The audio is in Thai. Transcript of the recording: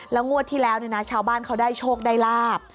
งวดที่แล้วเนี่ยนะชาวบ้านเขาได้โชคได้ลาบ